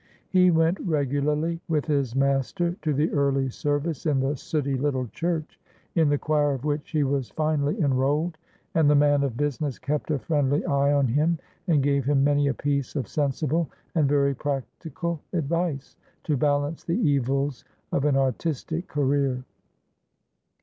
He went regularly with his master to the early service in the sooty little church, in the choir of which he was finally enrolled. And the man of business kept a friendly eye on him, and gave him many a piece of sensible and very practical advice, to balance the evils of an artistic career.